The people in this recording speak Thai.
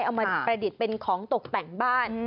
เอามาประดิษฐ์เป็นของตกแต่งบ้าน